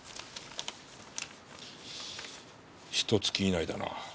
ひと月以内だな。